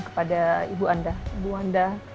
kepada ibu anda